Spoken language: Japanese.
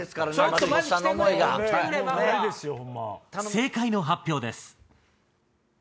正解の発表です。